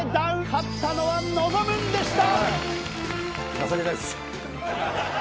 勝ったのはのぞむんでした。